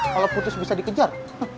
kalau putus bisa dikejar